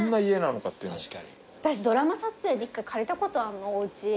私ドラマ撮影で１回借りたことあんのおうち。